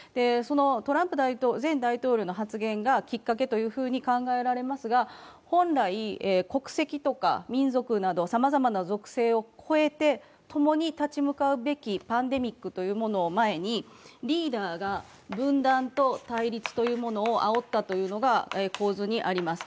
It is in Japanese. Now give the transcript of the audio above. トランプ前大統領の発言がきっかけと考えられますが本来、国籍や民族などさまざまな属性を越えて共に立ち向かうべきパンデミックというものを前に、リーダーが分断と対立というものをあおったというのが構図にあります。